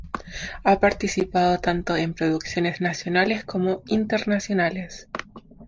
Ha participado tanto en producciones nacionales como internacionales.